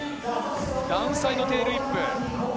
ダウンサイドテールウィップ。